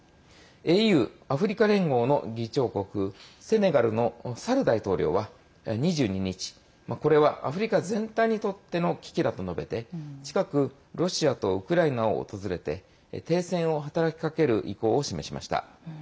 ＡＵ＝アフリカ連合の議長国セネガルのサル大統領は、２２日これはアフリカ全体にとっての危機だと述べて近くロシアとウクライナを訪れて停戦を働きかける意向を示しました。